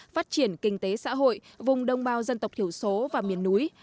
phát triển kinh tế xã hội vùng đồng bào dân tộc thiểu số và miền núi